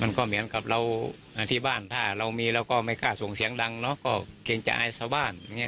มันก็เหมือนกับเราที่บ้านถ้าเรามีเราก็ไม่กล้าส่งเสียงดังเนาะก็เกรงจะอายชาวบ้าน